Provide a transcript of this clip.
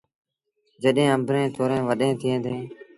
جڏهيݩ آݩبڙيٚن ٿوريٚݩ وڏيݩ ٿئيٚݩ ديٚݩ۔